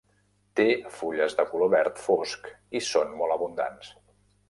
Té fulles de color verd fosc i són molt abundants.